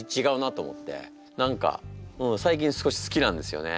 何かうん最近少し好きなんですよね。